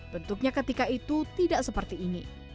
bentuknya ketika itu tidak seperti ini